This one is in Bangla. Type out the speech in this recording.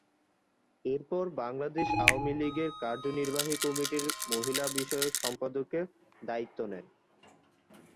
এরপর বাংলাদেশ আওয়ামী লীগের কার্যনির্বাহী কমিটির মহিলা বিষয়ক সম্পাদকের দায়িত্ব নেন।